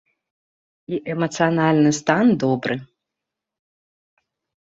І эмацыянальны стан добры!